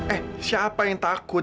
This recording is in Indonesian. eh siapa yang takut